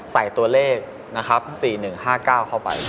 ใส่ตัวเลขนะครับ๔๑๕๙เข้าไป